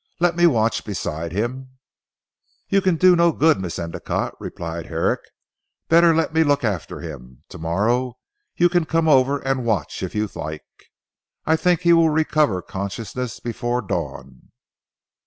"Let me watch beside him." "You can do no good Miss Endicotte," replied Herrick, "better let me look after him. To morrow you can come over and watch if you like. I think he will recover consciousness before the dawn."